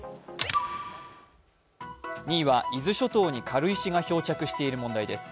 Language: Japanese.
２位は伊豆諸島に軽石が漂着している問題です。